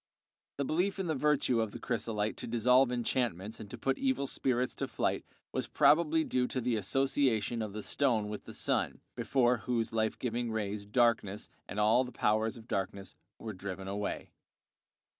The belief in the virtue of the chrysolite to dissolve enchantments and to put evil spirits to flight was probably due to the association of the stone with the sun, before whose life giving rays darkness and all the powers of darkness were driven away.